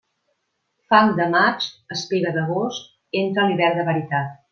Fang de maig, espiga d'agost, entra l'hivern de veritat.